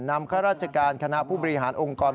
นำเจ้ารัชกาลคณะผู้บริหารองค์กร